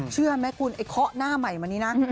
เชื่อไหมคุณไอ้เคาะหน้าใหม่มานี้นะ